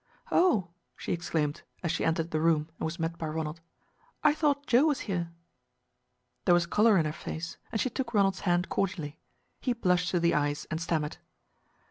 "Oh" she exclaimed, as she entered the room and was met by Ronald, "I thought Joe was here." There was color in her face, and she took Ronald's hand cordially. He blushed to the eyes, and stammered.